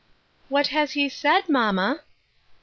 " What has he said, mamma ?